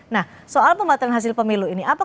nah soal pembatalan hasil pemilu ini